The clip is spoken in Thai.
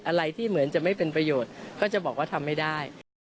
อะไรที่เหมือนจะไม่เป็นประโยชน์ก็จะบอกว่าทำไม่ได้